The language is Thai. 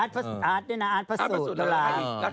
อาร์ตด้วยนะอาร์ตพระสูตรละ